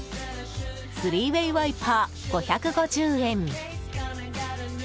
３ＷＡＹワイパー、５５０円。